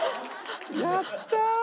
やったー！